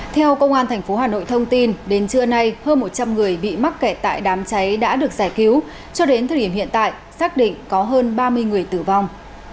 theo công an tp hà nội thông tin đến trưa nay hơn một trăm linh người bị mắc kẹt tại đám cháy đã được giải cứu cho đến thời điểm hiện tại xác định có hơn ba mươi người tử vong